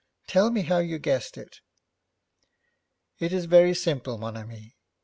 'Tell me how you guessed it.' 'It is very simple, mon ami.